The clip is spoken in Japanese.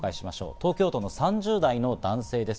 東京都の３０代の男性です。